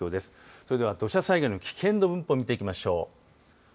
それでは、土砂災害の危険度分布見ていきましょう。